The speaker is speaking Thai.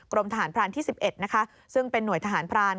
กรมทหารพรานที่๑๑นะคะซึ่งเป็นหน่วยทหารพราน